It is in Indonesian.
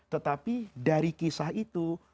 tetapi dari kisah itu